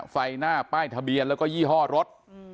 ไฟหน้าป้ายทะเบียนแล้วก็ยี่ห้อรถ